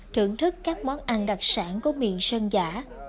thưởng thức các món ăn đặc sản của miền sơn giả